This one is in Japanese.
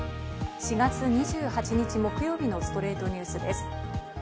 ４月２８日、木曜日の『ストレイトニュース』です。